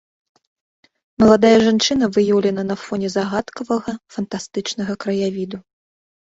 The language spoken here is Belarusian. Маладая жанчына выяўлена на фоне загадкавага, фантастычнага краявіду.